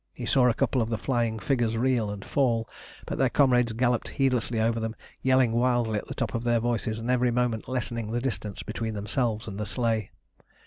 He saw a couple of the flying figures reel and fall, but their comrades galloped heedlessly over them, yelling wildly at the tops of their voices, and every moment lessening the distance between themselves and the sleigh.